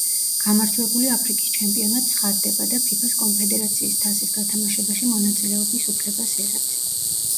გამარჯვებული აფრიკის ჩემპიონად ცხადდება და ფიფას კონფედერაციის თასის გათამაშებაში მონაწილეობის უფლებას იღებს.